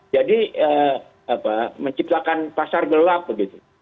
jadi menciptakan pasar gelap begitu